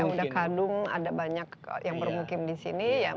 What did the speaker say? udah kandung ada banyak yang bermukim di sini